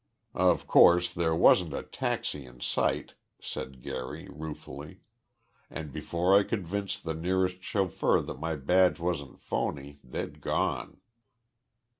"Of course, there wasn't a taxi in sight," said Gary, ruefully, "and before I could convince the nearest chauffeur that my badge wasn't phony they'd gone!"